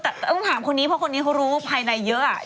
แต่ต้องถามคนนี้เพราะคนนี้เขารู้ภายในเยอะ